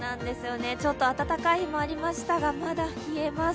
ちょっと暖かい日もありましたが、まだ冷えます。